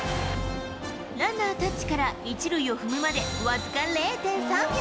ランナータッチから１塁を踏むまで、僅か０．３秒。